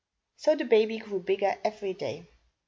So the baby grew bigger every day.